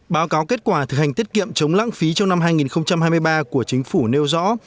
báo cáo kết quả thực hành tiết kiệm chống lãng phí trong năm hai nghìn hai mươi ba của chính phủ nêu rõ